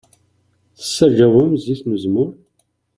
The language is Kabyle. Tessaǧawem zzit n uzemmur?